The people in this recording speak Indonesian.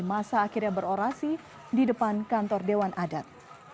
masa akhirnya berorasi di depan kantor dewan adat